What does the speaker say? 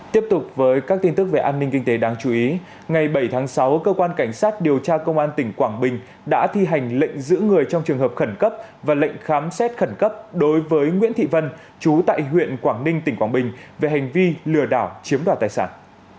tiếp tục với các tin tức về an ninh kinh tế đáng chú ý ngày bảy tháng sáu cơ quan cảnh sát điều tra công an tỉnh quảng bình đã thi hành lệnh giữ người trong trường hợp khẩn cấp và lệnh khám xét khẩn cấp đối với nguyễn thị vân chú tại huyện quảng ninh tỉnh quảng bình về hành vi lừa đảo chiếm đoạt tài sản